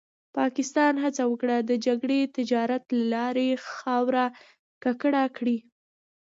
پاکستان هڅه وکړه د جګړې تجارت له لارې خاوره ککړه کړي.